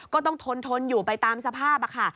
ก็ต้องทนทนอยู่ไปตามสภาพค่ะ